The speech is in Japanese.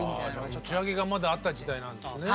打ち上げがまだあった時代なんですね。